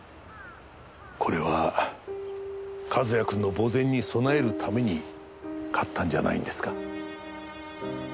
これは和也君の墓前に供えるために買ったんじゃないんですか？